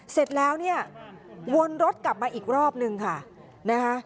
เสร็จแล้วเนี่ยวนรถกลับมาอีกรอบนึงค่ะนะคะ